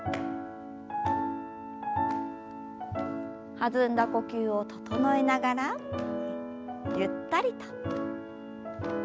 弾んだ呼吸を整えながらゆったりと。